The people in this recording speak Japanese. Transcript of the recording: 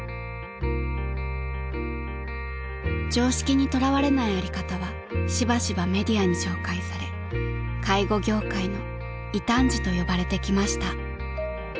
［常識にとらわれないやり方はしばしばメディアに紹介され介護業界の異端児と呼ばれてきました］